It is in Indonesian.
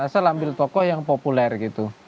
saya ambil tokoh yang populer gitu